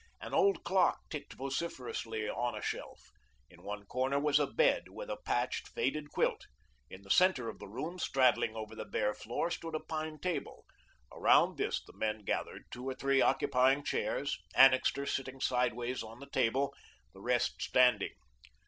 An old clock ticked vociferously on a shelf. In one corner was a bed, with a patched, faded quilt. In the centre of the room, straddling over the bare floor, stood a pine table. Around this the men gathered, two or three occupying chairs, Annixter sitting sideways on the table, the rest standing.